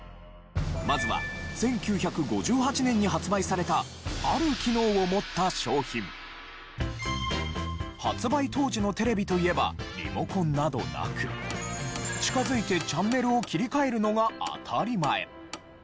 まずは１９５８年に発売されたある機能を持った商品。発売当時のテレビといえばリモコンなどなく近づいてチャンネルを切り替えるのが当たり前。